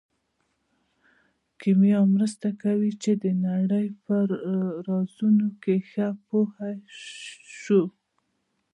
کیمیا مرسته کوي چې د نړۍ په رازونو ښه پوه شو.